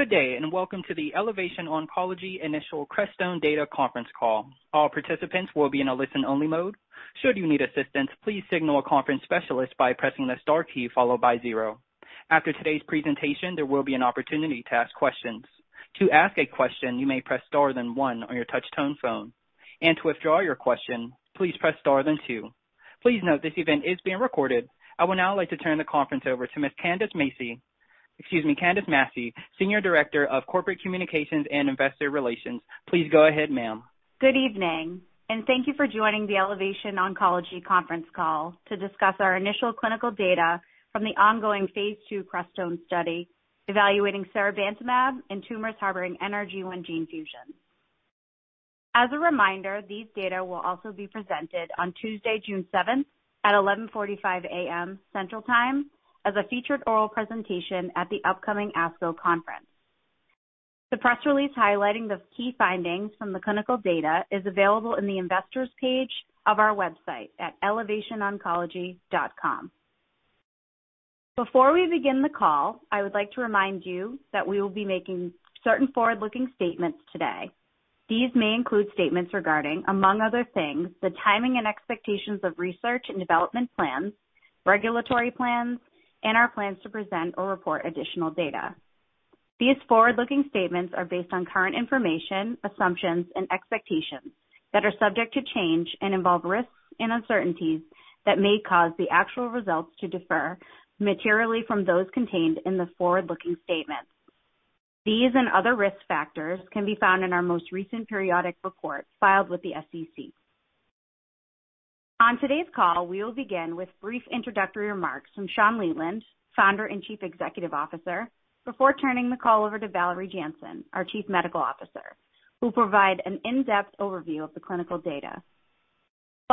Good day, and welcome to the Elevation Oncology initial CRESTONE Data Conference Call. All participants will be in a listen-only mode. Should you need assistance, please signal a conference specialist by pressing the Star key followed by zero. After today's presentation, there will be an opportunity to ask questions. To ask a question, you may press Star then one on your touch-tone phone. To withdraw your question, please press Star then two. Please note this event is being recorded. I would now like to turn the conference over to Ms. Candice Masse. Excuse me, Candice Masse, Senior Director of Corporate Communications and Investor Relations. Please go ahead, ma'am. Good evening, and thank you for joining the Elevation Oncology Conference Call to discuss our initial clinical data from the ongoing Phase II CRESTONE study evaluating seribantumab in tumors harboring NRG1 gene fusions. As a reminder, these data will also be presented on Tuesday, June 7 at 11:45 A.M. Central Time as a featured oral presentation at the upcoming ASCO Conference. The press release highlighting the key findings from the clinical data is available in the investors page of our website at elevationoncology.com. Before we begin the call, I would like to remind you that we will be making certain forward-looking statements today. These may include statements regarding, among other things, the timing and expectations of research and development plans, regulatory plans, and our plans to present or report additional data. These forward-looking statements are based on current information, assumptions, and expectations that are subject to change and involve risks and uncertainties that may cause the actual results to differ materially from those contained in the forward-looking statements. These and other risk factors can be found in our most recent periodic report filed with the SEC. On today's call, we will begin with brief introductory remarks from Shawn Leland, Founder and Chief Executive Officer, before turning the call over to Valerie Jansen, our Chief Medical Officer, who'll provide an in-depth overview of the clinical data.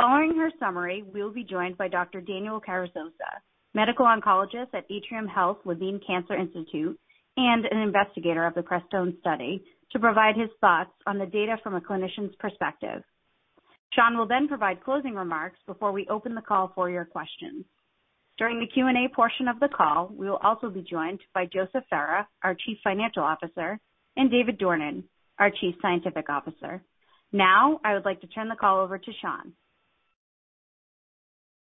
Following her summary, we will be joined by Dr. Daniel Carrizosa, Medical Oncologist at Atrium Health Levine Cancer Institute and an investigator of the CRESTONE study, to provide his thoughts on the data from a clinician's perspective. Shawn will then provide closing remarks before we open the call for your questions. During the Q&A portion of the call, we will also be joined by Joseph Ferra, our Chief Financial Officer, and David Dornan, our Chief Scientific Officer. Now, I would like to turn the call over to Shawn.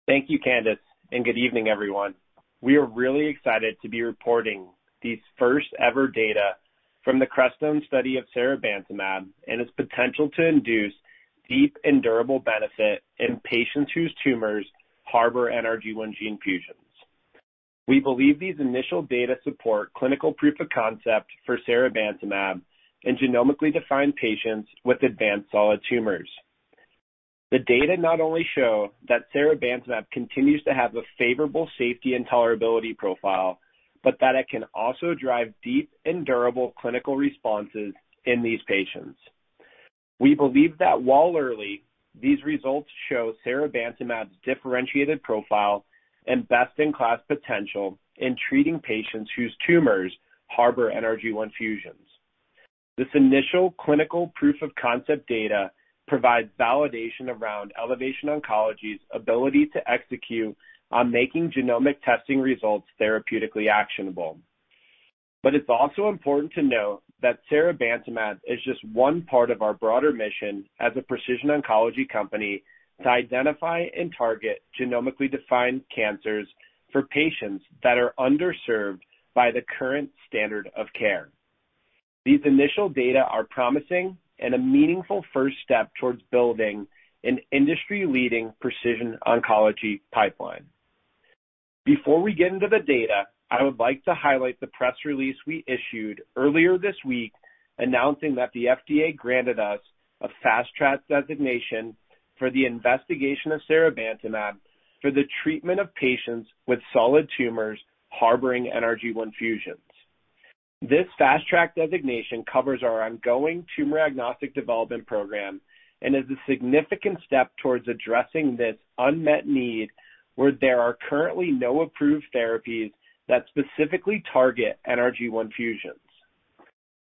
Thank you, Candice, and good evening, everyone. We are really excited to be reporting these first-ever data from the CRESTONE study of seribantumab and its potential to induce deep and durable benefit in patients whose tumors harbor NRG1 gene fusions. We believe these initial data support clinical proof of concept for seribantumab in genomically defined patients with advanced solid tumors. The data not only show that seribantumab continues to have a favorable safety and tolerability profile, but that it can also drive deep and durable clinical responses in these patients. We believe that while early, these results show seribantumab's differentiated profile and best-in-class potential in treating patients whose tumors harbor NRG1 fusions. This initial clinical proof of concept data provides validation around Elevation Oncology's ability to execute on making genomic testing results therapeutically actionable. It's also important to note that seribantumab is just one part of our broader mission as a precision oncology company to identify and target genomically defined cancers for patients that are underserved by the current standard of care. These initial data are promising and a meaningful first step towards building an industry-leading precision oncology pipeline. Before we get into the data, I would like to highlight the press release we issued earlier this week announcing that the FDA granted us a Fast Track designation for the investigation of seribantumab for the treatment of patients with solid tumors harboring NRG1 fusions. This Fast Track designation covers our ongoing tumor-agnostic development program and is a significant step towards addressing this unmet need where there are currently no approved therapies that specifically target NRG1 fusions.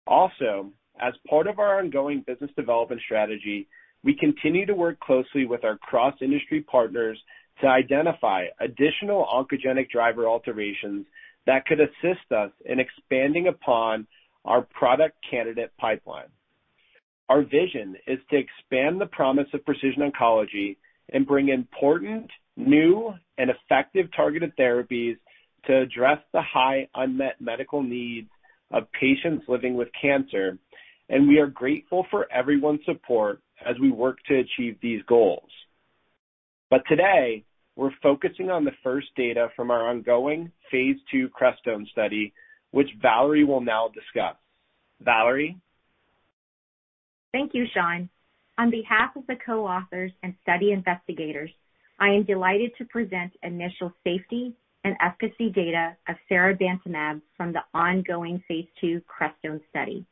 Also, as part of our ongoing business development strategy, we continue to work closely with our cross-industry partners to identify additional oncogenic driver alterations that could assist us in expanding upon our product candidate pipeline. Our vision is to expand the promise of precision oncology and bring important, new, and effective targeted therapies to address the high unmet medical needs of patients living with cancer, and we are grateful for everyone's support as we work to achieve these goals. Today, we're focusing on the first data from our ongoing Phase II CRESTONE study, which Valerie will now discuss. Valerie? Thank you, Shawn. On behalf of the co-authors and study investigators, I am delighted to present initial safety and efficacy data of seribantumab from the ongoing Phase II CRESTONE study.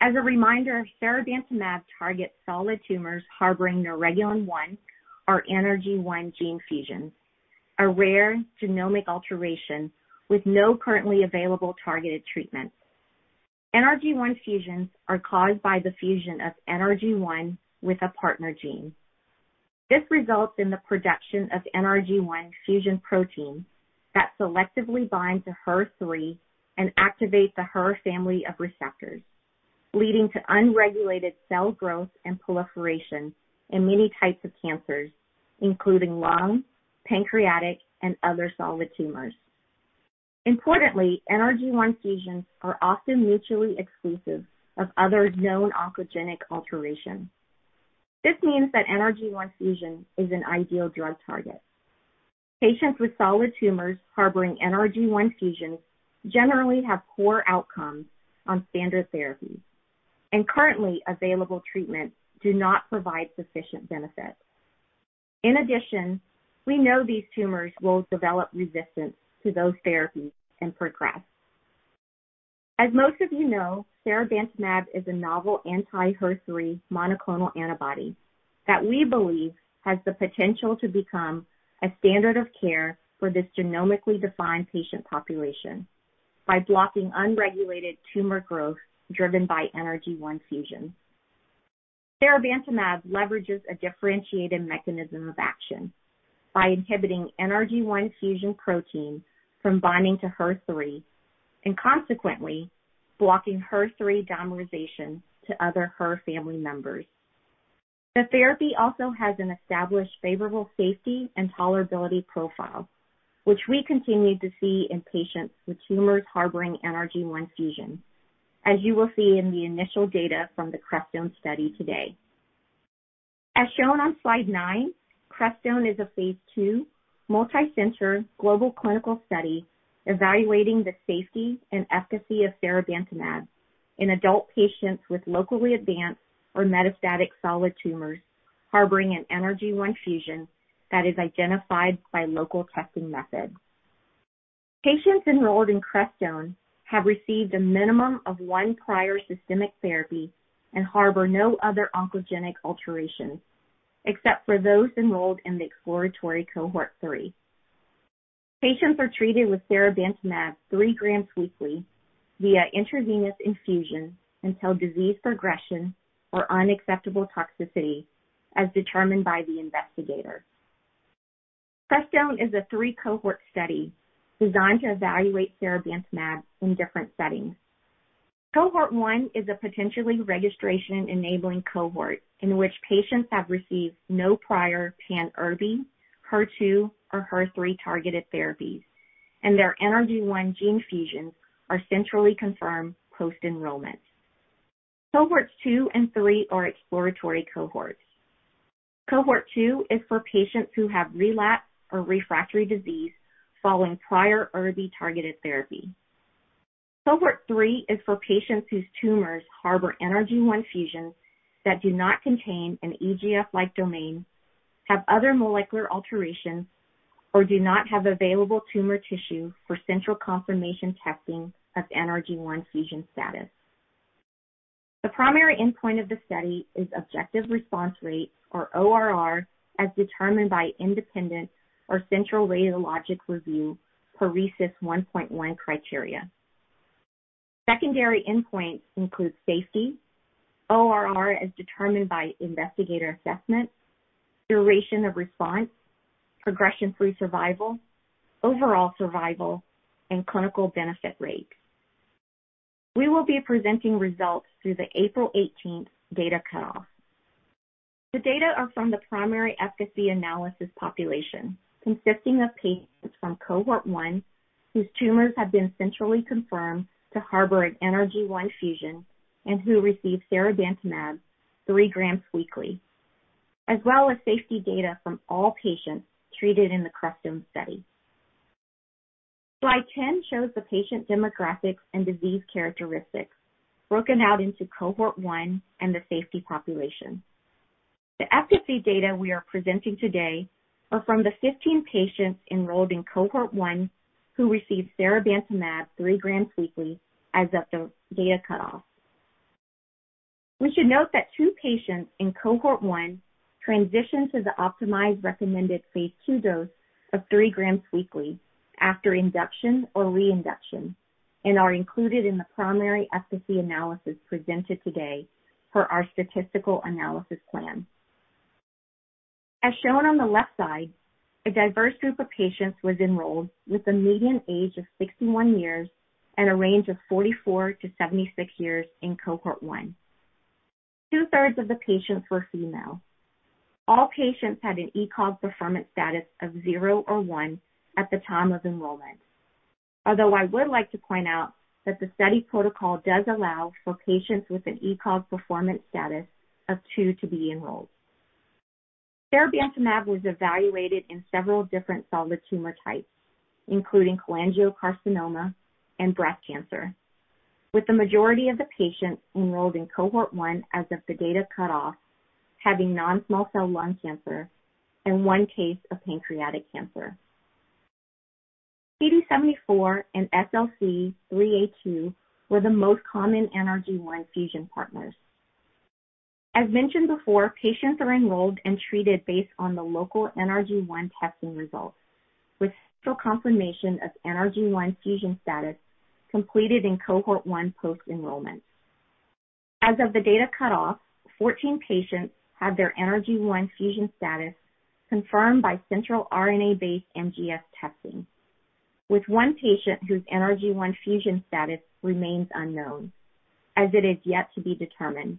As a reminder, seribantumab targets solid tumors harboring Neuregulin-1 or NRG1 gene fusions, a rare genomic alteration with no currently available targeted treatment. NRG1 fusions are caused by the fusion of NRG1 with a partner gene. This results in the production of NRG1 fusion protein that selectively binds to HER3 and activates the HER family of receptors, leading to unregulated cell growth and proliferation in many types of cancers, including lung, pancreatic, and other solid tumors. Importantly, NRG1 fusions are often mutually exclusive of other known oncogenic alterations. This means that NRG1 fusion is an ideal drug target. Patients with solid tumors harboring NRG1 fusions generally have poor outcomes on standard therapies, and currently available treatments do not provide sufficient benefit. In addition, we know these tumors will develop resistance to those therapies and progress. As most of you know, seribantumab is a novel anti-HER3 monoclonal antibody that we believe has the potential to become a standard of care for this genomically defined patient population by blocking unregulated tumor growth driven by NRG1 fusion. Seribantumab leverages a differentiated mechanism of action by inhibiting NRG1 fusion protein from binding to HER3 and consequently blocking HER3 dimerization to other HER family members. The therapy also has an established favorable safety and tolerability profile, which we continue to see in patients with tumors harboring NRG1 fusion, as you will see in the initial data from the CRESTONE study today. As shown on slide nine, CRESTONE is a Phase II multi-center global clinical study evaluating the safety and efficacy of seribantumab in adult patients with locally advanced or metastatic solid tumors harboring an NRG1 fusion that is identified by local testing methods. Patients enrolled in CRESTONE have received a minimum of one prior systemic therapy and harbor no other oncogenic alterations, except for those enrolled in the exploratory cohort 3. Patients are treated with seribantumab 3 grams weekly via intravenous infusion until disease progression or unacceptable toxicity, as determined by the investigator. CRESTONE is a 3-cohort study designed to evaluate seribantumab in different settings. Cohort 1 is a potentially registration-enabling cohort in which patients have received no prior pan-ERBB, HER2, or HER3-targeted therapies, and their NRG1 gene fusions are centrally confirmed post-enrollment. Cohorts 2 and 3 are exploratory cohorts. Cohort 2 is for patients who have relapsed or refractory disease following prior ERBB-targeted therapy. Cohort 3 is for patients whose tumors harbor NRG1 fusions that do not contain an EGF-like domain, have other molecular alterations, or do not have available tumor tissue for central confirmation testing of NRG1 fusion status. The primary endpoint of the study is objective response rate, or ORR, as determined by independent or central radiologic review per RECIST 1.1 criteria. Secondary endpoints include safety, ORR as determined by investigator assessment, duration of response, progression-free survival, overall survival, and clinical benefit rate. We will be presenting results through the April 18th data cutoff. The data are from the primary efficacy analysis population, consisting of patients from cohort 1, whose tumors have been centrally confirmed to harbor an NRG1 fusion and who received seribantumab 3 grams weekly, as well as safety data from all patients treated in the CRESTONE study. Slide 10 shows the patient demographics and disease characteristics broken out into cohort 1 and the safety population. The efficacy data we are presenting today are from the 15 patients enrolled in cohort 1 who received seribantumab 3 grams weekly as of the data cutoff. We should note that two patients in cohort 1 transitioned to the optimized recommended Phase II dose of 3 grams weekly after induction or reinduction and are included in the primary efficacy analysis presented today per our statistical analysis plan. As shown on the left side, a diverse group of patients was enrolled with a median age of 61 years and a range of 44-76 years in cohort 1. Two-thirds of the patients were female. All patients had an ECOG performance status of zero or one at the time of enrollment. Although I would like to point out that the study protocol does allow for patients with an ECOG performance status of two to be enrolled. Seribantumab was evaluated in several different solid tumor types, including cholangiocarcinoma and breast cancer, with the majority of the patients enrolled in cohort 1 as of the data cutoff having non-small cell lung cancer and one case of pancreatic cancer. CD74 and SLC3A2 were the most common NRG1 fusion partners. As mentioned before, patients are enrolled and treated based on the local NRG1 testing results, with central confirmation of NRG1 fusion status completed in cohort 1 post-enrollment. As of the data cutoff, 14 patients had their NRG1 fusion status confirmed by central RNA-based NGS testing, with one patient whose NRG1 fusion status remains unknown, as it is yet to be determined.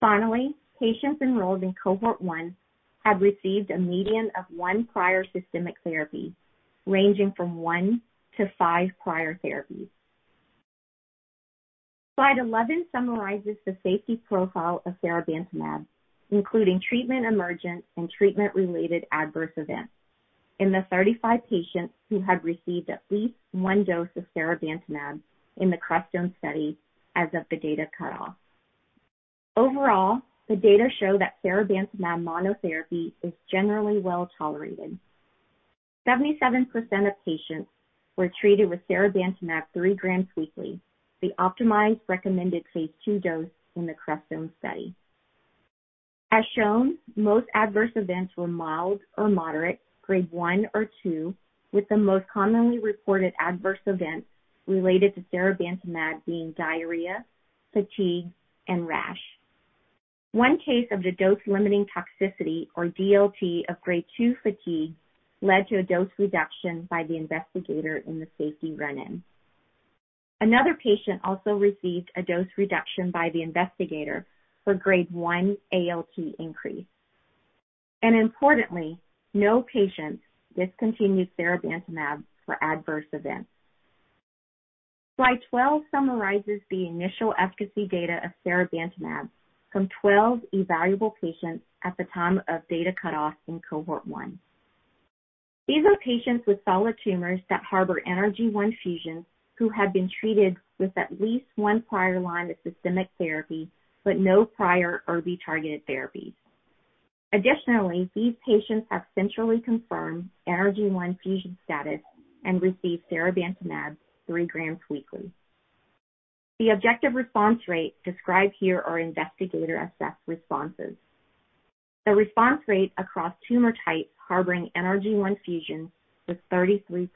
Finally, patients enrolled in cohort 1 have received a median of one prior systemic therapy, ranging from one to five prior therapies. Slide 11 summarizes the safety profile of seribantumab, including treatment-emergent and treatment-related adverse events in the 35 patients who had received at least one dose of seribantumab in the CRESTONE study as of the data cutoff. Overall, the data show that seribantumab monotherapy is generally well-tolerated. 77% of patients were treated with seribantumab 3 grams weekly, the optimized recommended Phase II dose in the CRESTONE study. As shown, most adverse events were mild or moderate, grade one or two, with the most commonly reported adverse events related to seribantumab being diarrhea, fatigue, and rash. One case of the dose-limiting toxicity, or DLT, of grade two fatigue led to a dose reduction by the investigator in the safety run-in. Another patient also received a dose reduction by the investigator for grade one ALT increase. Importantly, no patients discontinued seribantumab for adverse events. Slide 12 summarizes the initial efficacy data of seribantumab from 12 evaluable patients at the time of data cutoff in cohort 1. These are patients with solid tumors that harbor NRG1 fusions, who had been treated with at least one prior line of systemic therapy, but no prior ERBB-targeted therapy. Additionally, these patients have centrally confirmed NRG1 fusion status and received seribantumab 3 grams weekly. The objective response rate described here are investigator-assessed responses. The response rate across tumor types harboring NRG1 fusions was 33%.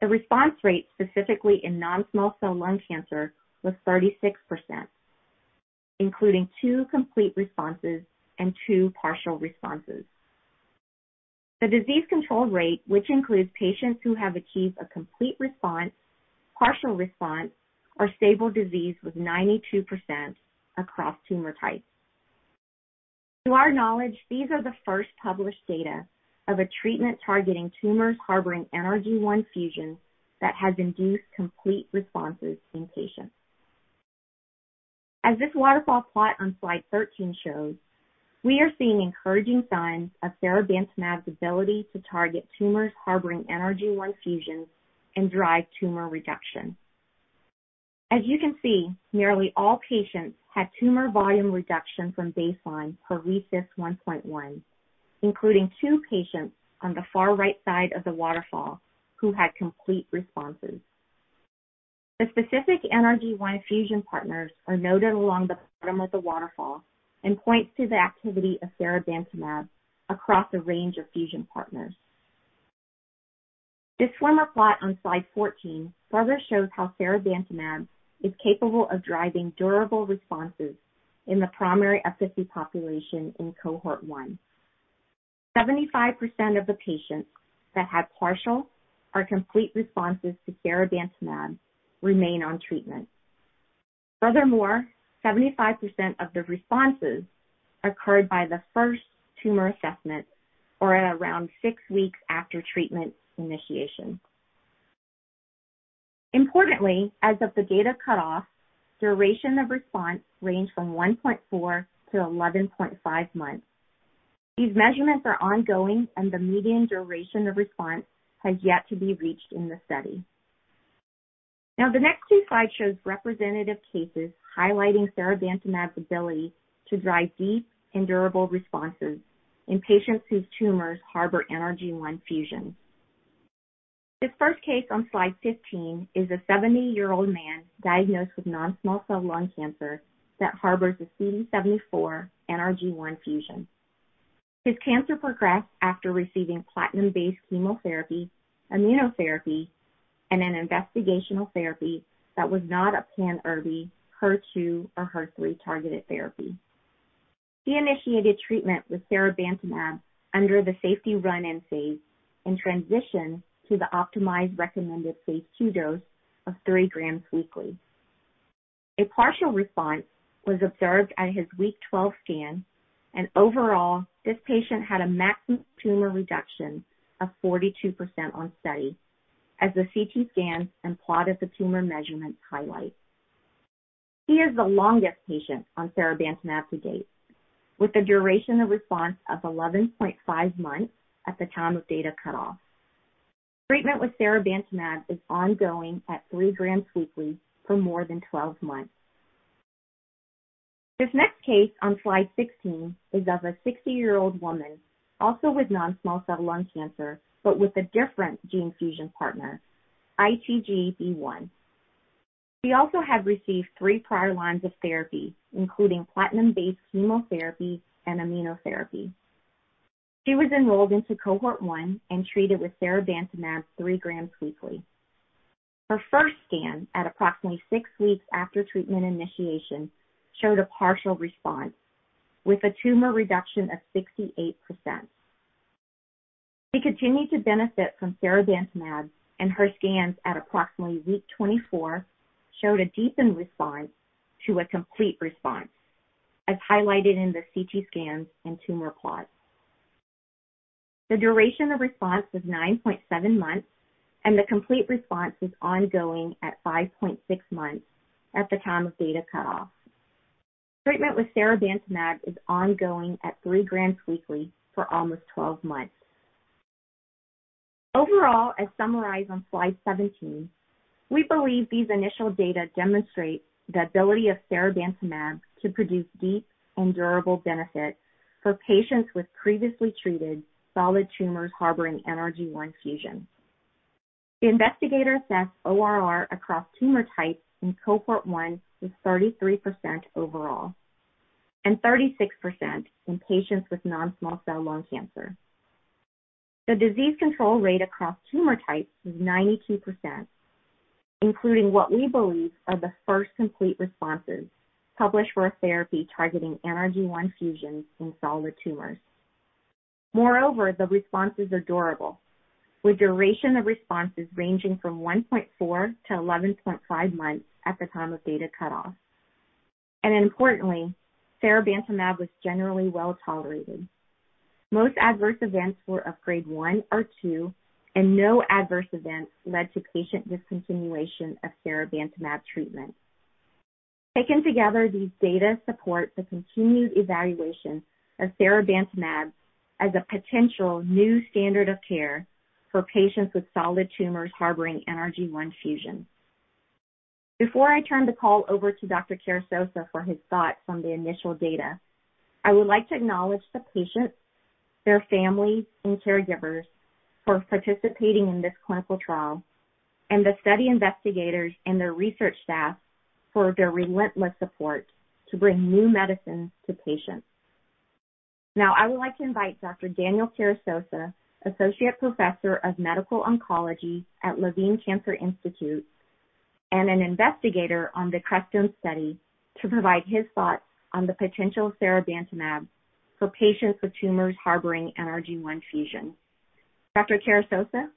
The response rate specifically in non-small cell lung cancer was 36%, including 2 complete responses and 2 partial responses. The disease-controlled rate, which includes patients who have achieved a complete response, partial response, or stable disease, was 92% across tumor types. To our knowledge, these are the first published data of a treatment targeting tumors harboring NRG1 fusions that has induced complete responses in patients. As this waterfall plot on slide 13 shows, we are seeing encouraging signs of seribantumab's ability to target tumors harboring NRG1 fusions and drive tumor reduction. As you can see, nearly all patients had tumor volume reduction from baseline per RECIST 1.1, including two patients on the far right side of the waterfall who had complete responses. The specific NRG1 fusion partners are noted along the bottom of the waterfall and points to the activity of seribantumab across a range of fusion partners. This swimmer plot on slide 14 further shows how seribantumab is capable of driving durable responses in the primary efficacy population in cohort 1. 75% of the patients that had partial or complete responses to seribantumab remain on treatment. Furthermore, 75% of the responses occurred by the first tumor assessment or at around six weeks after treatment initiation. Importantly, as of the data cutoff, duration of response ranged from 1.4 to 11.5 months. These measurements are ongoing, and the median duration of response has yet to be reached in the study. Now, the next two slides show representative cases highlighting seribantumab's ability to drive deep and durable responses in patients whose tumors harbor NRG1 fusions. This first case on slide 15 is a 70-year-old man diagnosed with non-small cell lung cancer that harbors a CD74 NRG1 fusion. His cancer progressed after receiving platinum-based chemotherapy, immunotherapy, and an investigational therapy that was not a pan-ERBB, HER2 or HER3-targeted therapy. He initiated treatment with seribantumab under the safety run-in phase in transition to the optimized recommended Phase II dose of 3 grams weekly. A partial response was observed at his week 12 scan, and overall, this patient had a maximum tumor reduction of 42% on study as the CT scan and plot of the tumor measurement highlight. He is the longest patient on seribantumab to date, with a duration of response of 11.5 months at the time of data cutoff. Treatment with seribantumab is ongoing at 3 grams weekly for more than 12 months. This next case on slide 16 is of a 60-year-old woman, also with non-small cell lung cancer, but with a different gene fusion partner, ITGB1. She also had received three prior lines of therapy, including platinum-based chemotherapy and immunotherapy. She was enrolled into cohort 1 and treated with seribantumab 3 grams weekly. Her first scan at approximately six weeks after treatment initiation showed a partial response with a tumor reduction of 68%. She continued to benefit from seribantumab, and her scans at approximately week 24 showed a deepened response to a complete response, as highlighted in the CT scans and tumor plots. The duration of response was 9.7 months, and the complete response is ongoing at 5.6 months at the time of data cutoff. Treatment with seribantumab is ongoing at 3 grams weekly for almost 12 months. Overall, as summarized on slide 17, we believe these initial data demonstrate the ability of seribantumab to produce deep and durable benefit for patients with previously treated solid tumors harboring NRG1 fusions. The investigator assessed ORR across tumor types in cohort 1 with 33% overall, and 36% in patients with non-small cell lung cancer. The disease control rate across tumor types was 92%, including what we believe are the first complete responses published for a therapy targeting NRG1 fusions in solid tumors. Moreover, the response is durable, with duration of responses ranging from 1.4-11.5 months at the time of data cutoff. Importantly, seribantumab was generally well-tolerated. Most adverse events were of grade one or two, and no adverse events led to patient discontinuation of seribantumab treatment. Taken together, these data support the continued evaluation of seribantumab as a potential new standard of care for patients with solid tumors harboring NRG1 fusions. Before I turn the call over to Dr. Carrizosa for his thoughts on the initial data, I would like to acknowledge the patients, their families, and caregivers for participating in this clinical trial, and the study investigators and their research staff for their relentless support to bring new medicines to patients. Now, I would like to invite Dr. Daniel Carrizosa, Associate Professor of Medical Oncology at Levine Cancer Institute and an investigator on the CRESTONE study, to provide his thoughts on the potential seribantumab for patients with tumors harboring NRG1 fusions. Dr. Carrizosa?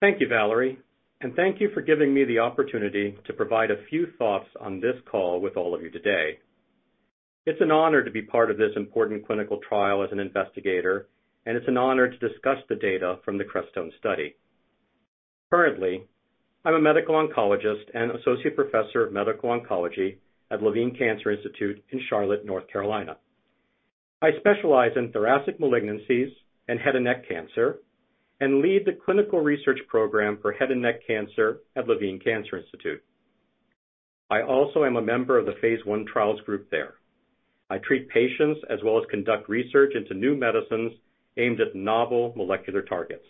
Thank you, Valerie, and thank you for giving me the opportunity to provide a few thoughts on this call with all of you today. It's an honor to be part of this important clinical trial as an investigator, and it's an honor to discuss the data from the CRESTONE study. Currently, I'm a medical oncologist and associate professor of medical oncology at Levine Cancer Institute in Charlotte, North Carolina. I specialize in thoracic malignancies and head and neck cancer and lead the clinical research program for head and neck cancer at Levine Cancer Institute. I also am a member of the Phase I trials group there. I treat patients as well as conduct research into new medicines aimed at novel molecular targets.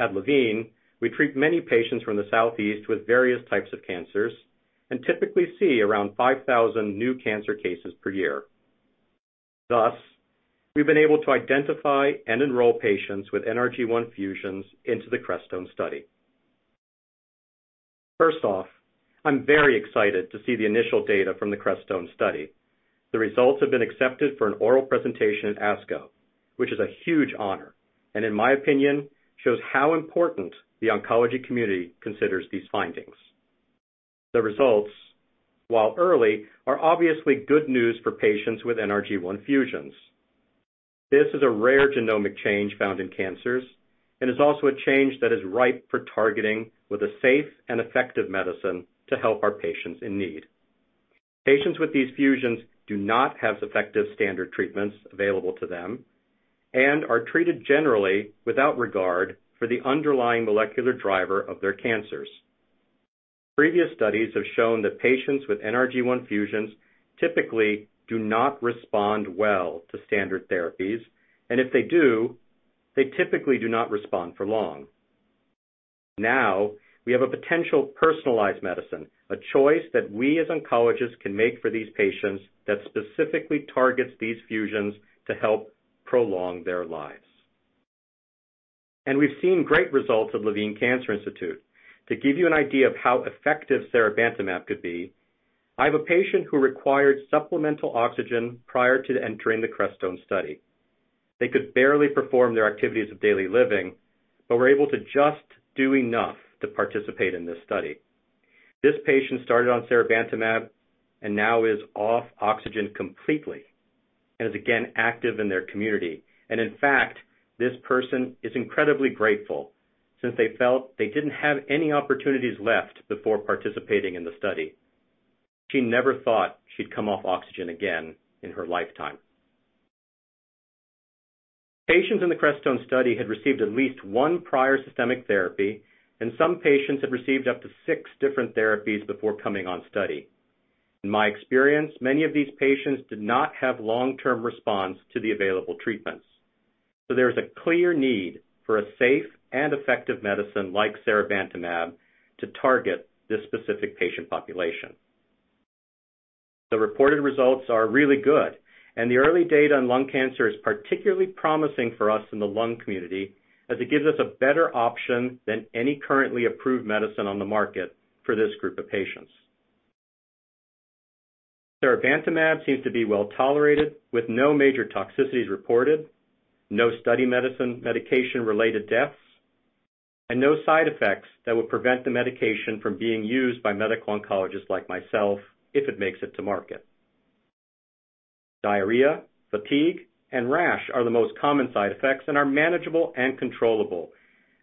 At Levine, we treat many patients from the Southeast with various types of cancers and typically see around 5,000 new cancer cases per year. Thus, we've been able to identify and enroll patients with NRG1 fusions into the CRESTONE study. First off, I'm very excited to see the initial data from the CRESTONE study. The results have been accepted for an oral presentation at ASCO, which is a huge honor, and in my opinion, shows how important the oncology community considers these findings. The results, while early, are obviously good news for patients with NRG1 fusions. This is a rare genomic change found in cancers and is also a change that is ripe for targeting with a safe and effective medicine to help our patients in need. Patients with these fusions do not have effective standard treatments available to them and are treated generally without regard for the underlying molecular driver of their cancers. Previous studies have shown that patients with NRG1 fusions typically do not respond well to standard therapies, and if they do, they typically do not respond for long. Now, we have a potential personalized medicine, a choice that we as oncologists can make for these patients that specifically targets these fusions to help prolong their lives. We've seen great results at Levine Cancer Institute. To give you an idea of how effective seribantumab could be, I have a patient who required supplemental oxygen prior to entering the CRESTONE study. They could barely perform their activities of daily living, but were able to just do enough to participate in this study. This patient started on seribantumab and now is off oxygen completely and is again active in their community. In fact, this person is incredibly grateful since they felt they didn't have any opportunities left before participating in the study. She never thought she'd come off oxygen again in her lifetime. Patients in the CRESTONE study had received at least one prior systemic therapy, and some patients had received up to six different therapies before coming on study. In my experience, many of these patients did not have long-term response to the available treatments. There is a clear need for a safe and effective medicine like seribantumab to target this specific patient population. The reported results are really good, and the early data on lung cancer is particularly promising for us in the lung community, as it gives us a better option than any currently approved medicine on the market for this group of patients. Seribantumab seems to be well-tolerated, with no major toxicities reported, no medication-related deaths, and no side effects that would prevent the medication from being used by medical oncologists like myself if it makes it to market. Diarrhea, fatigue, and rash are the most common side effects and are manageable and controllable.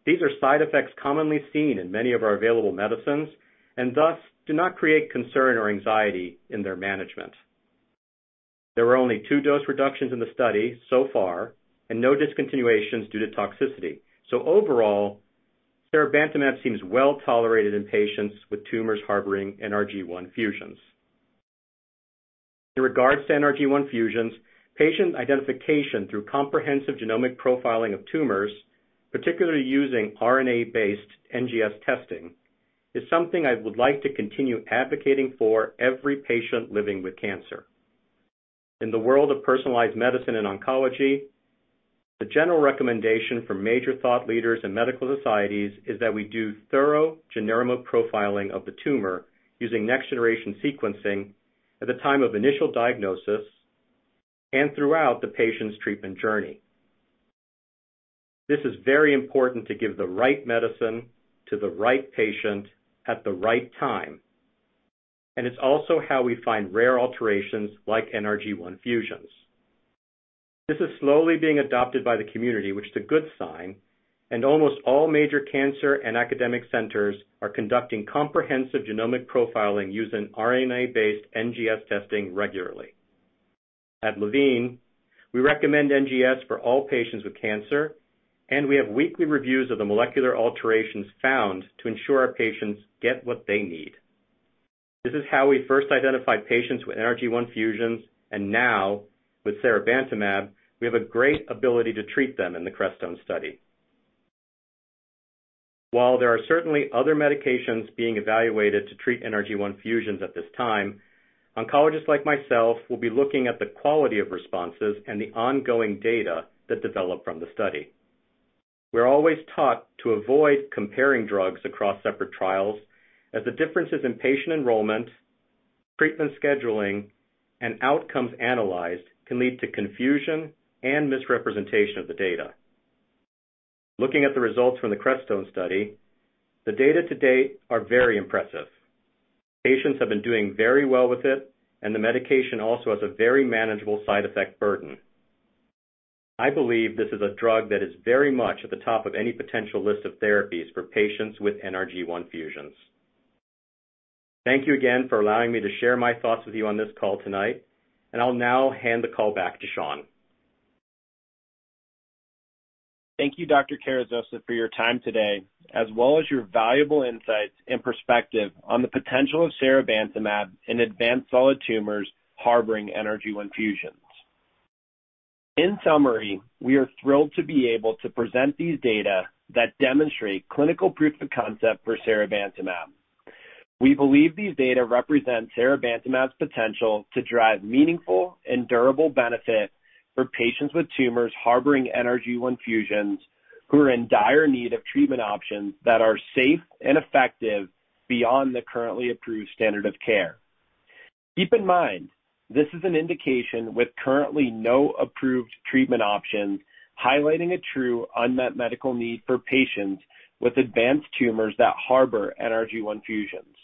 These are side effects commonly seen in many of our available medicines, and thus do not create concern or anxiety in their management. There were only two dose reductions in the study so far, and no discontinuations due to toxicity. Overall, seribantumab seems well-tolerated in patients with tumors harboring NRG1 fusions. In regards to NRG1 fusions, patient identification through comprehensive genomic profiling of tumors, particularly using RNA-based NGS testing, is something I would like to continue advocating for every patient living with cancer. In the world of personalized medicine and oncology, the general recommendation from major thought leaders and medical societies is that we do thorough genomic profiling of the tumor using next-generation sequencing at the time of initial diagnosis and throughout the patient's treatment journey. This is very important to give the right medicine to the right patient at the right time, and it's also how we find rare alterations like NRG1 fusions. This is slowly being adopted by the community, which is a good sign, and almost all major cancer and academic centers are conducting comprehensive genomic profiling using RNA-based NGS testing regularly. At Levine, we recommend NGS for all patients with cancer, and we have weekly reviews of the molecular alterations found to ensure our patients get what they need. This is how we first identified patients with NRG1 fusions, and now with seribantumab, we have a great ability to treat them in the CRESTONE Study. While there are certainly other medications being evaluated to treat NRG1 fusions at this time, oncologists like myself will be looking at the quality of responses and the ongoing data that develop from the study. We're always taught to avoid comparing drugs across separate trials, as the differences in patient enrollment, treatment scheduling, and outcomes analyzed can lead to confusion and misrepresentation of the data. Looking at the results from the CRESTONE study, the data to date are very impressive. Patients have been doing very well with it, and the medication also has a very manageable side effect burden. I believe this is a drug that is very much at the top of any potential list of therapies for patients with NRG1 fusions. Thank you again for allowing me to share my thoughts with you on this call tonight, and I'll now hand the call back to Shawn. Thank you, Dr. Carrizosa, for your time today, as well as your valuable insights and perspective on the potential of seribantumab in advanced solid tumors harboring NRG1 fusions. In summary, we are thrilled to be able to present these data that demonstrate clinical proof of concept for seribantumab. We believe these data represent seribantumab's potential to drive meaningful and durable benefit for patients with tumors harboring NRG1 fusions who are in dire need of treatment options that are safe and effective beyond the currently approved standard of care. Keep in mind, this is an indication with currently no approved treatment options, highlighting a true unmet medical need for patients with advanced tumors that harbor NRG1 fusions.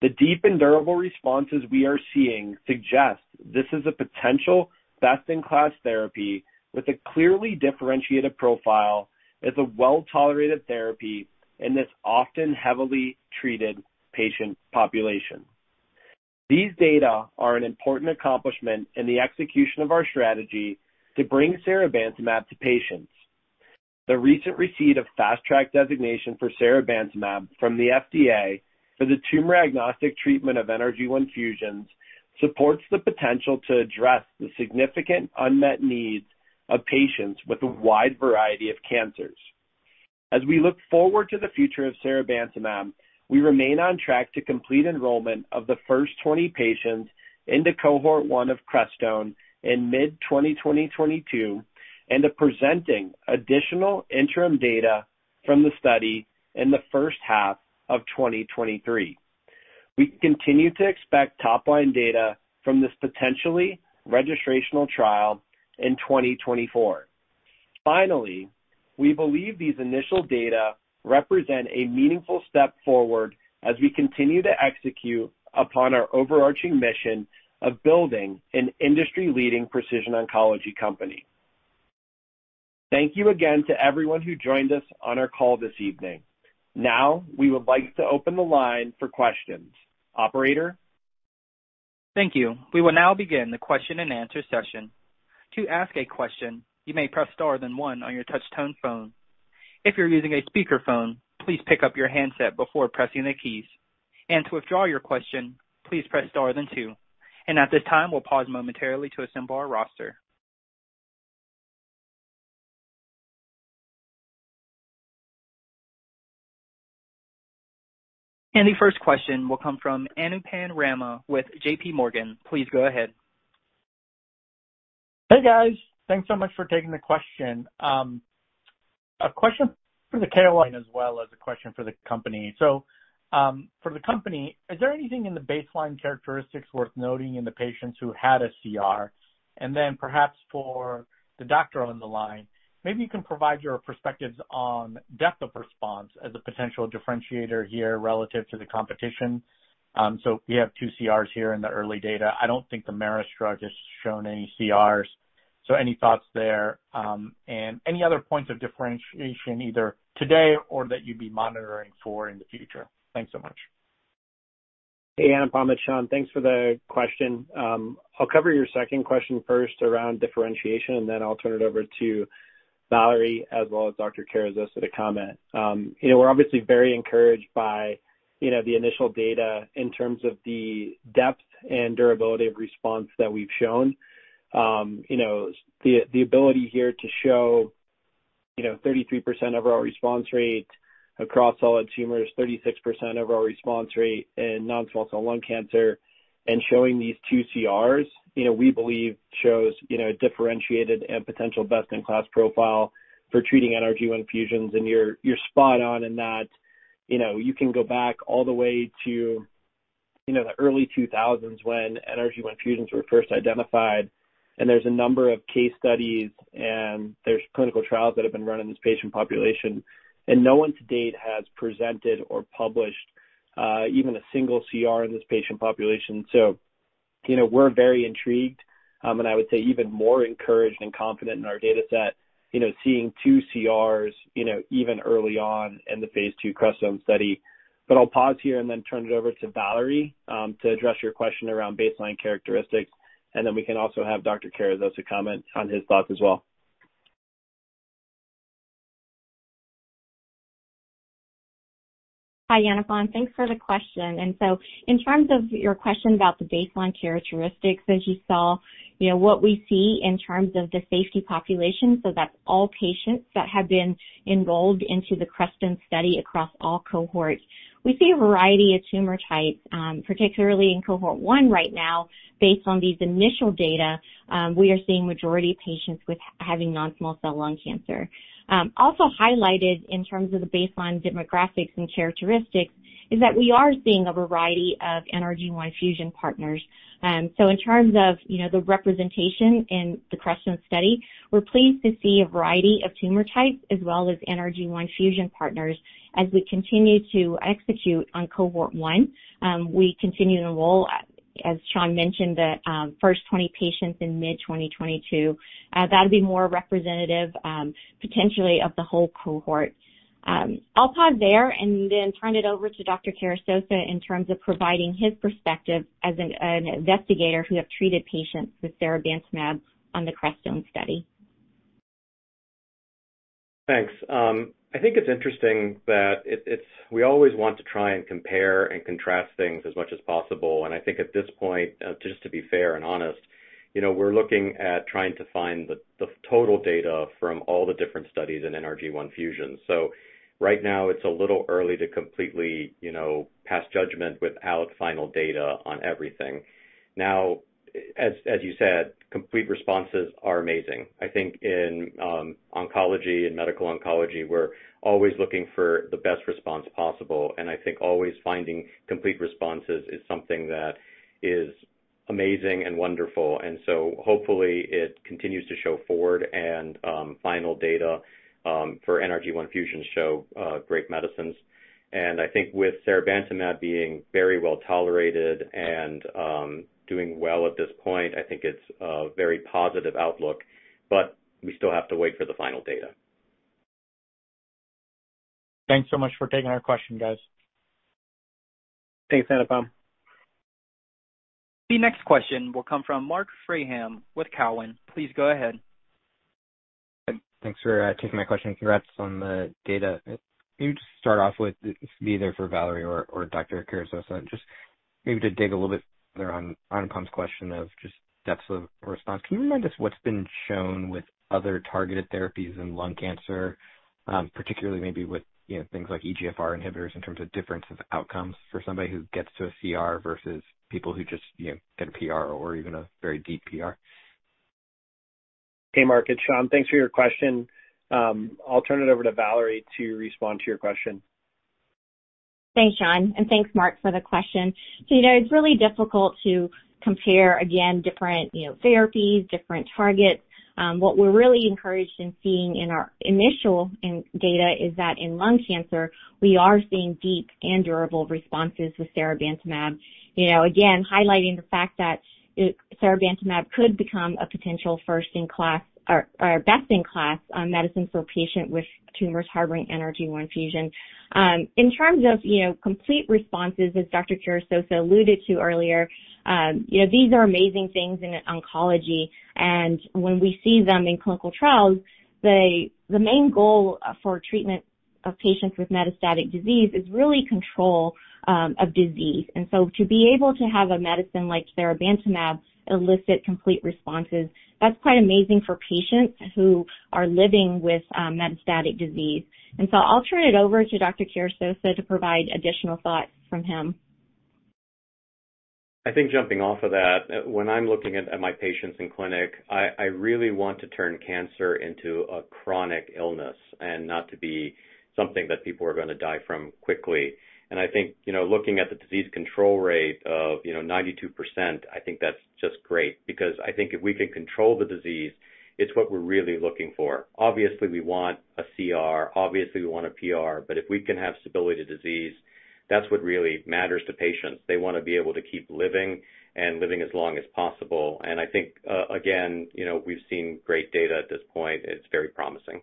The deep and durable responses we are seeing suggest this is a potential best-in-class therapy with a clearly differentiated profile as a well-tolerated therapy in this often heavily treated patient population. These data are an important accomplishment in the execution of our strategy to bring seribantumab to patients. The recent receipt of Fast Track designation for seribantumab from the FDA for the tumor-agnostic treatment of NRG1 fusions supports the potential to address the significant unmet needs of patients with a wide variety of cancers. As we look forward to the future of seribantumab, we remain on track to complete enrollment of the first 20 patients into cohort 1 of CRESTONE in mid-2022, and to presenting additional interim data from the study in the first half of 2023. We continue to expect top-line data from this potentially registrational trial in 2024. Finally, we believe these initial data represent a meaningful step forward as we continue to execute upon our overarching mission of building an industry-leading precision oncology company. Thank you again to everyone who joined us on our call this evening. Now, we would like to open the line for questions. Operator? Thank you. We will now begin the Q&A session. To ask a question, you may press Star then one on your touch-tone phone. If you're using a speakerphone, please pick up your handset before pressing the keys. To withdraw your question, please press Star then two. At this time, we'll pause momentarily to assemble our roster. The first question will come from Anupam Rama with JP Morgan. Please go ahead. Hey, guys. Thanks so much for taking the question. A question for the KOL line as well as a question for the company. For the company, is there anything in the baseline characteristics worth noting in the patients who had a CR? Then perhaps for the doctor on the line, maybe you can provide your perspectives on depth of response as a potential differentiator here relative to the competition. We have two CRs here in the early data. I don't think the Merus drug has shown any CRs. Any thoughts there, and any other points of differentiation either today or that you'd be monitoring for in the future? Thanks so much. Hey, Anupam. It's Shawn. Thanks for the question. I'll cover your second question first around differentiation, and then I'll turn it over to Valerie as well as Dr. Carrizosa for the comment. You know, we're obviously very encouraged by, you know, the initial data in terms of the depth and durability of response that we've shown. You know, the ability here to show, you know, 33% overall response rate across all tumors, 36% overall response rate in non-small cell lung cancer, and showing these two CRs, you know, we believe shows, you know, differentiated and potential best-in-class profile for treating NRG1 fusions. You're spot on in that, you know, you can go back all the way to, you know, the early 2000s when NRG1 fusions were first identified, and there's a number of case studies, and there's clinical trials that have been run in this patient population. No one to date has presented or published even a single CR in this patient population. We're very intrigued, and I would say even more encouraged and confident in our data set, you know, seeing two CRs, you know, even early on in the Phase II CRESTONE study. I'll pause here and then turn it over to Valerie to address your question around baseline characteristics, and then we can also have Dr. Carrizosa comment on his thoughts as well. Hi, Anupam, and thanks for the question. In terms of your question about the baseline characteristics, as you saw, you know, what we see in terms of the safety population, so that's all patients that have been enrolled into the CRESTONE study across all cohorts. We see a variety of tumor types, particularly in cohort 1 right now. Based on these initial data, we are seeing majority of patients with having non-small cell lung cancer. Also highlighted in terms of the baseline demographics and characteristics is that we are seeing a variety of NRG1 fusion partners. In terms of, you know, the representation in the CRESTONE study, we're pleased to see a variety of tumor types as well as NRG1 fusion partners. As we continue to execute on cohort 1, we continue to enroll, as Shawn mentioned, the first 20 patients in mid-2022. That'll be more representative, potentially of the whole cohort. I'll pause there and then turn it over to Dr. Carrizosa in terms of providing his perspective as an investigator who have treated patients with seribantumab on the CRESTONE study. Thanks. I think it's interesting that we always want to try and compare and contrast things as much as possible, and I think at this point, just to be fair and honest, you know, we're looking at trying to find the total data from all the different studies in NRG1 fusion. So right now it's a little early to completely, you know, pass judgment without final data on everything. Now, as you said, complete responses are amazing. I think in oncology and medical oncology, we're always looking for the best response possible, and I think always finding complete responses is something that is amazing and wonderful. Hopefully it continues to show forward and final data for NRG1 fusion show great medicines. I think with seribantumab being very well tolerated and, doing well at this point, I think it's a very positive outlook, but we still have to wait for the final data. Thanks so much for taking our question, guys. Thanks, Anupam. The next question will come from Marc Frahm with Cowen. Please go ahead. Thanks for taking my question. Congrats on the data. Maybe just start off with this could be either for Valerie or Dr. Carrizosa. Just maybe to dig a little bit further on Anupam's question of just depths of response. Can you remind us what's been shown with other targeted therapies in lung cancer, particularly maybe with things like EGFR inhibitors in terms of difference of outcomes for somebody who gets to a CR versus people who just get a PR or even a very deep PR? Hey, Marc, it's Shawn. Thanks for your question. I'll turn it over to Valerie to respond to your question. Thanks, Shawn and thanks Marc for the question. You know it's really difficult to compare again different, you know, therapies, different targets. What we're really encouraged in seeing in our initial data is that in lung cancer we are seeing deep and durable responses with seribantumab. You know, again highlighting the fact that seribantumab could become a potential first in class or best in class medicine for a patient with tumors harboring NRG1 fusion. In terms of, you know, complete responses, as Dr. Carrizosa alluded to earlier, you know, these are amazing things in oncology, and when we see them in clinical trials, the main goal for treatment of patients with metastatic disease is really control of disease. To be able to have a medicine like seribantumab elicit complete responses, that's quite amazing for patients who are living with metastatic disease. I'll turn it over to Dr. Carrizosa to provide additional thoughts from him. I think jumping off of that, when I'm looking at my patients in clinic, I really want to turn cancer into a chronic illness and not to be something that people are gonna die from quickly. I think, you know, looking at the disease control rate of, you know, 92%, I think that's just great because I think if we can control the disease, it's what we're really looking for. Obviously, we want a CR. Obviously, we want a PR. If we can have stable disease, that's what really matters to patients. They wanna be able to keep living and living as long as possible. I think, again, you know, we've seen great data at this point. It's very promising.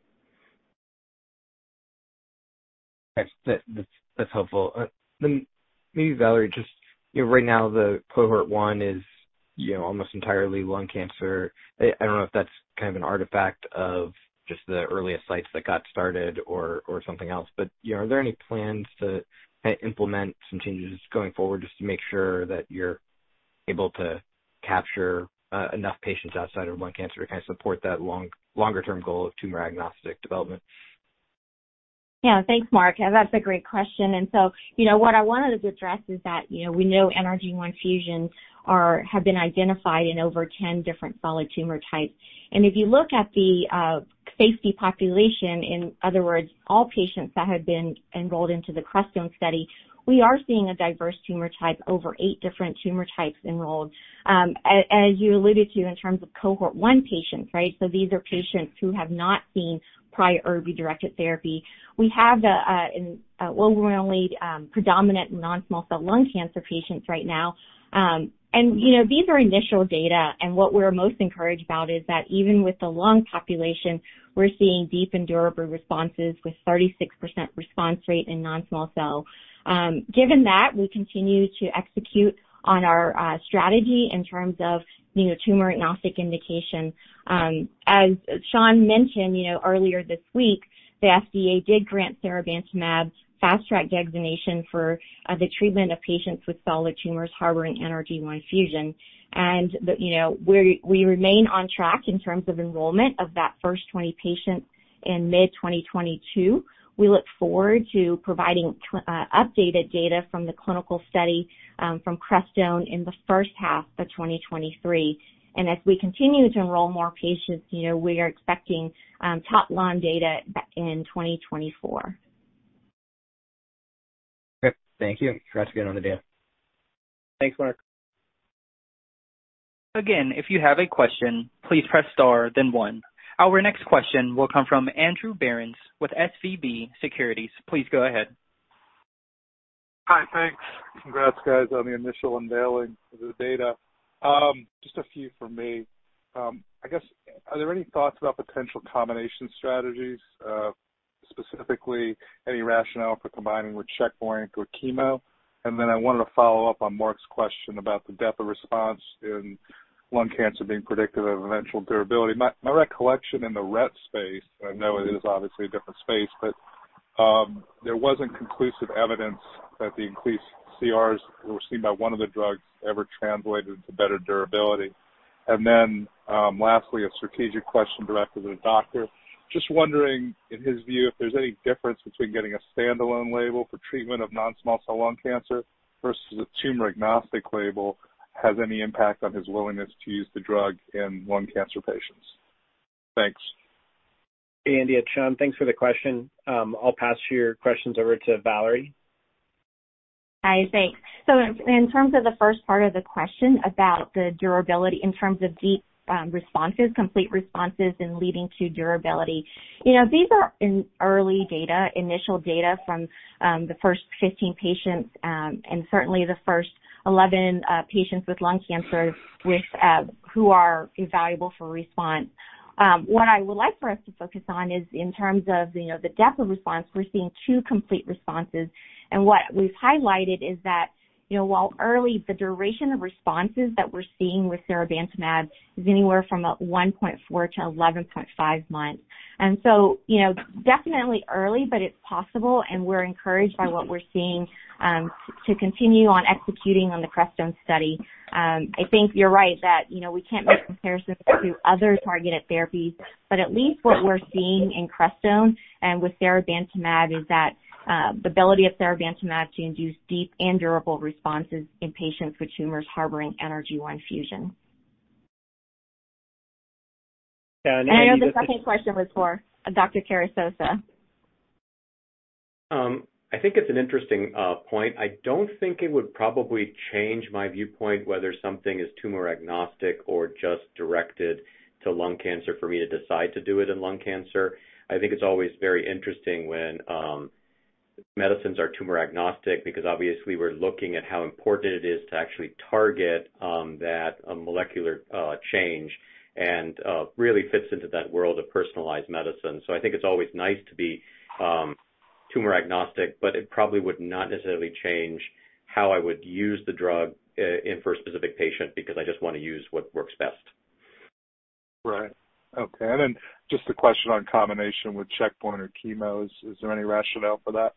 That's helpful. Then maybe Valerie, just, you know, right now, the cohort 1 is, you know, almost entirely lung cancer. I don't know if that's kind of an artifact of just the earliest sites that got started or something else. You know, are there any plans to implement some changes going forward just to make sure that you're able to capture enough patients outside of lung cancer to kind of support that longer-term goal of tumor-agnostic development? Yeah. Thanks, Marc. That's a great question. You know, what I wanted to address is that, you know, we know NRG1 fusions have been identified in over 10 different solid tumor types. If you look at the safety population, in other words, all patients that have been enrolled into the CRESTONE study, we are seeing a diverse tumor type over eight different tumor types enrolled. As you alluded to in terms of cohort 1 patients, right? These are patients who have not seen prior or redirected therapy. We have the overwhelmingly predominant non-small cell lung cancer patients right now. You know, these are initial data, and what we're most encouraged about is that even with the lung population, we're seeing deep and durable responses with 36% response rate in non-small cell. Given that, we continue to execute on our strategy in terms of, you know, tumor-agnostic indication. As Shawn mentioned, you know, earlier this week, the FDA did grant seribantumab Fast Track designation for the treatment of patients with solid tumors harboring NRG1 fusion. We remain on track in terms of enrollment of that first 20 patients in mid-2022. We look forward to providing updated data from the clinical study from CRESTONE in the first half of 2023. As we continue to enroll more patients, you know, we are expecting top-line data in 2024. Okay. Thank you. Congrats again on the data. Thanks, Marc. Again, if you have a question, please press Star then one. Our next question will come from Andrew Berens with SVB Securities. Please go ahead. Hi. Thanks. Congrats, guys, on the initial unveiling of the data. Just a few from me. I guess, are there any thoughts about potential combination strategies? Specifically, any rationale for combining with checkpoint or chemo? I wanted to follow up on Marc's question about the depth of response in lung cancer being predictive of eventual durability. My recollection in the RET space, I know it is obviously a different space, but, there wasn't conclusive evidence that the increased CRs were seen by one of the drugs ever translated to better durability. Lastly, a strategic question directed to the doctor. Just wondering, in his view, if there's any difference between getting a stand-alone label for treatment of non-small cell lung cancer versus a tumor-agnostic label, has any impact on his willingness to use the drug in lung cancer patients. Thanks. Hey, Andrew. It's Shawn. Thanks for the question. I'll pass your questions over to Valerie. Hi. Thanks. In terms of the first part of the question about the durability in terms of deep responses, complete responses and leading to durability, you know, these are in early data, initial data from the first 15 patients, and certainly the first 11 patients with lung cancer who are evaluable for response. What I would like for us to focus on is in terms of, you know, the depth of response, we're seeing two complete responses. What we've highlighted is that, you know, while early, the duration of responses that we're seeing with seribantumab is anywhere from 1.4-11.5 months. You know, definitely early, but it's possible, and we're encouraged by what we're seeing to continue on executing on the CRESTONE study. I think you're right that, you know, we can't make comparisons to other targeted therapies, but at least what we're seeing in CRESTONE and with seribantumab is that, the ability of seribantumab to induce deep and durable responses in patients with tumors harboring NRG1 fusion. Yeah. I know the second- I know the second question was for Dr. Carrizosa. I think it's an interesting point. I don't think it would probably change my viewpoint whether something is tumor-agnostic or just directed to lung cancer for me to decide to do it in lung cancer. I think it's always very interesting when medicines are tumor-agnostic because obviously we're looking at how important it is to actually target that molecular change and really fits into that world of personalized medicine. I think it's always nice to be tumor-agnostic, but it probably would not necessarily change how I would use the drug in a specific patient because I just wanna use what works best. Right. Okay. Just a question on combination with checkpoint or chemos. Is there any rationale for that?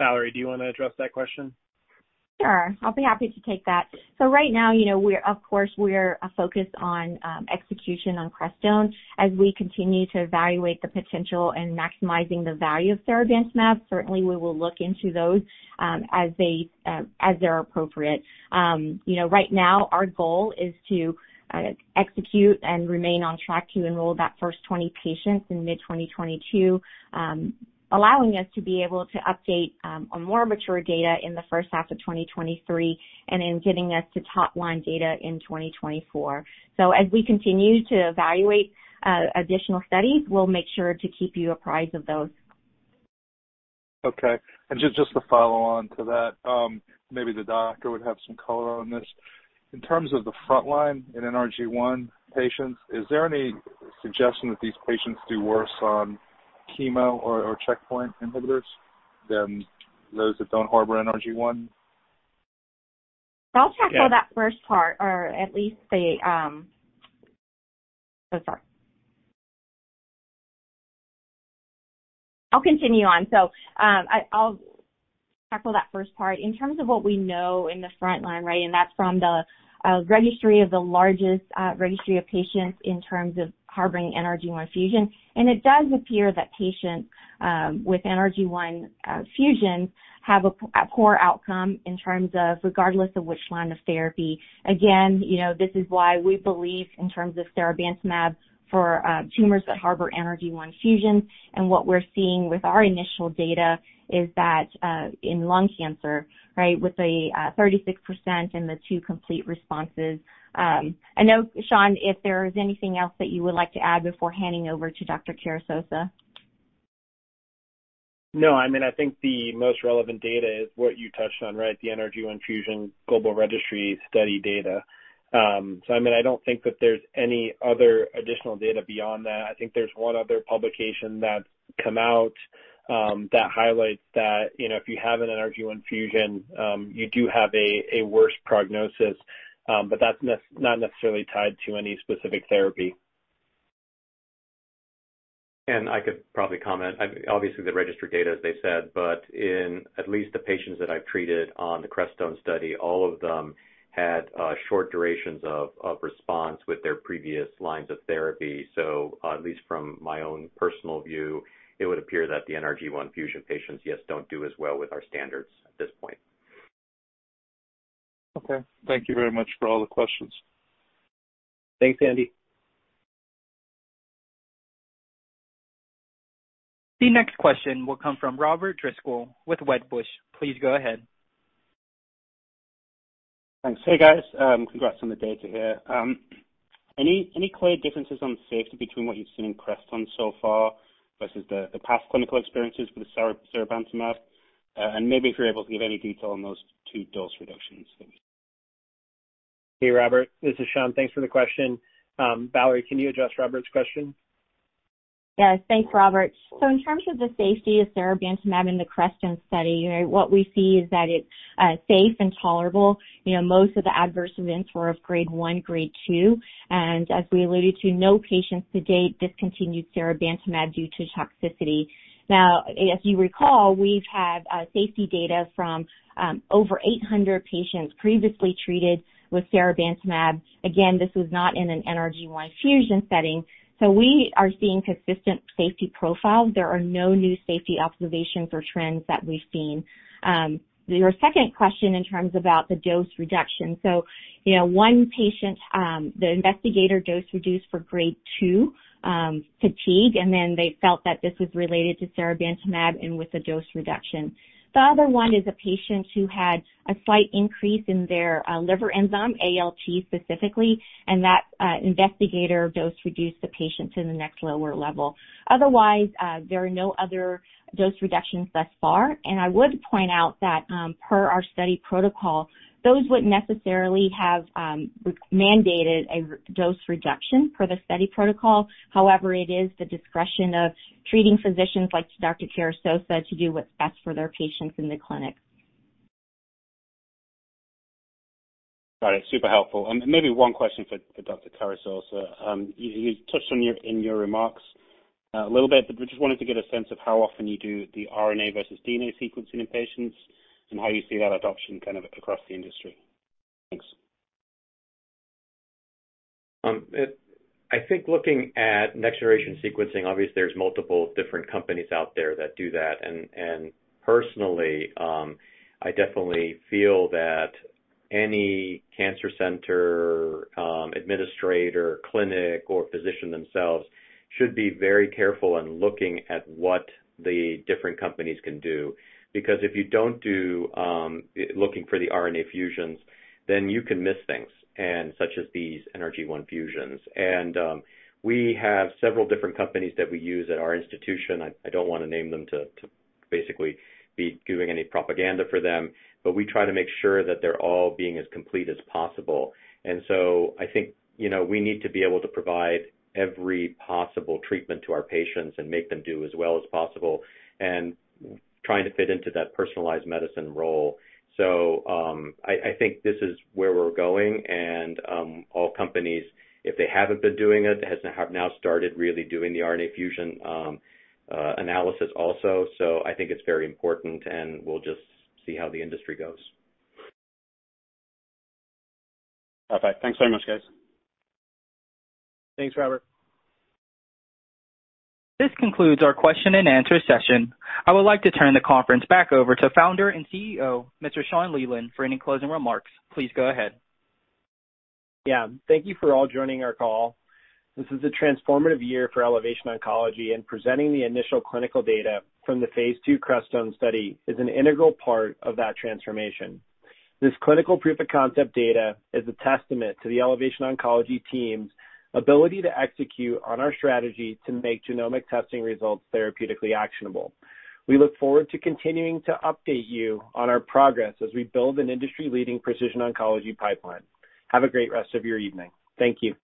Valerie, do you want to address that question? Sure. I'll be happy to take that. Right now, you know, we're of course focused on execution on CRESTONE as we continue to evaluate the potential and maximizing the value of seribantumab. Certainly, we will look into those as they are appropriate. You know, right now our goal is to execute and remain on track to enroll the first 20 patients in mid-2022, allowing us to be able to update on more mature data in the first half of 2023 and in getting us to top line data in 2024. As we continue to evaluate additional studies, we'll make sure to keep you apprised of those. Okay. Just to follow on to that, maybe the doctor would have some color on this. In terms of the front line in NRG1 patients, is there any suggestion that these patients do worse on chemo or checkpoint inhibitors than those that don't harbor NRG1? I'll tackle that first part. In terms of what we know in the front line, right, and that's from the largest registry of patients in terms of harboring NRG1 fusion. It does appear that patients with NRG1 fusion have a poor outcome in terms of regardless of which line of therapy. Again, you know, this is why we believe in terms of seribantumab for tumors that harbor NRG1 fusions. What we're seeing with our initial data is that in lung cancer, right, with a 36% in the two complete responses. I know, Shawn, if there is anything else that you would like to add before handing over to Dr. Carrizosa? No, I mean, I think the most relevant data is what you touched on, right, the NRG1 fusion global registry study data. I mean, I don't think that there's any other additional data beyond that. I think there's one other publication that's come out, that highlights that, you know, if you have an NRG1 fusion, you do have a worse prognosis, but that's not necessarily tied to any specific therapy. I could probably comment. I mean, obviously the registry data, as they said, but in at least the patients that I've treated on the CRESTONE study, all of them had short durations of response with their previous lines of therapy. At least from my own personal view, it would appear that the NRG1 fusion patients, yes, don't do as well with our standards at this point. Okay. Thank you very much for all the questions. Thanks, Andy. The next question will come from Robert Driscoll with Wedbush. Please go ahead. Thanks. Hey, guys. Congrats on the data here. Any clear differences on safety between what you've seen in CRESTONE so far versus the past clinical experiences with the seribantumab? Maybe if you're able to give any detail on those two dose reductions. Thanks. Hey, Robert. This is Shawn. Thanks for the question. Valerie, can you address Robert's question? Yes. Thanks, Robert. In terms of the safety of seribantumab in the CRESTONE study, right, what we see is that it's safe and tolerable. You know, most of the adverse events were of grade one, grade two. As we alluded to, no patients to date discontinued seribantumab due to toxicity. Now, as you recall, we've had safety data from over 800 patients previously treated with seribantumab. Again, this was not in an NRG1 fusion setting. We are seeing consistent safety profiles. There are no new safety observations or trends that we've seen. Your second question in terms of the dose reduction. You know, one patient, the investigator dose reduced for grade two fatigue, and then they felt that this was related to seribantumab and with a dose reduction. The other one is a patient who had a slight increase in their liver enzyme, ALT specifically, and that investigator dose reduced the patient to the next lower level. Otherwise, there are no other dose reductions thus far. I would point out that, per our study protocol, those wouldn't necessarily have mandated a dose reduction per the study protocol. However, it is the discretion of treating physicians like Dr. Carrizosa to do what's best for their patients in the clinic. Got it. Super helpful. Maybe one question for Dr. Carrizosa. You touched on in your remarks a little bit, but we just wanted to get a sense of how often you do the RNA versus DNA sequencing in patients and how you see that adoption kind of across the industry. Thanks. I think looking at next-generation sequencing, obviously, there's multiple different companies out there that do that. Personally, I definitely feel that any cancer center, administrator, clinic, or physician themselves should be very careful in looking at what the different companies can do. Because if you don't do looking for the RNA fusions, then you can miss things and such as these NRG1 fusions. We have several different companies that we use at our institution. I don't wanna name them to basically be doing any propaganda for them, but we try to make sure that they're all being as complete as possible. I think, you know, we need to be able to provide every possible treatment to our patients and make them do as well as possible and trying to fit into that personalized medicine role. I think this is where we're going, and all companies, if they haven't been doing it, have now started really doing the RNA fusion analysis also. I think it's very important, and we'll just see how the industry goes. Perfect. Thanks very much, guys. Thanks, Robert. This concludes our Q&A session. I would like to turn the conference back over to Founder and CEO, Mr. Shawn Leland, for any closing remarks. Please go ahead. Yeah. Thank you for all joining our call. This is a transformative year for Elevation Oncology, and presenting the initial clinical data from the Phase II CRESTONE study is an integral part of that transformation. This clinical proof of concept data is a testament to the Elevation Oncology team's ability to execute on our strategy to make genomic testing results therapeutically actionable. We look forward to continuing to update you on our progress as we build an industry-leading precision oncology pipeline. Have a great rest of your evening. Thank you.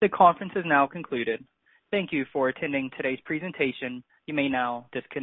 The conference has now concluded. Thank you for attending today's presentation. You may now disconnect.